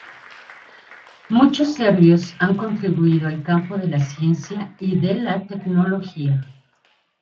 Muchos serbios han contribuido al campo de la ciencia y de la tecnología.